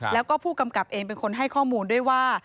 แล้วก็ผู้กำกับเองเป็นคนให้ข้อมูลด้วยว่า